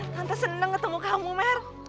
tante senang ketemu kamu mer